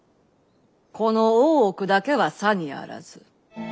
この大奥だけはさにあらず。